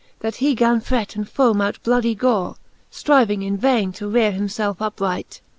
That he gan fret and fome out bloudy gore. Striving in vaine to rere him felfe upright.